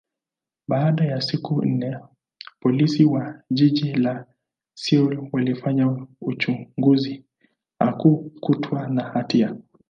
baada ya siku nne, Polisi wa jiji la Seoul walifanya uchunguzi, hakukutwa na hatia.